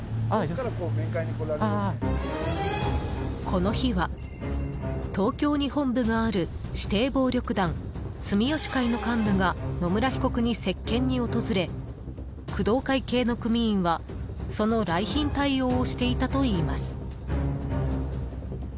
この日は、東京に本部がある指定暴力団住吉会の幹部が野村被告に接見に訪れ工藤会系の組員はその来賓対応をしていたといいます。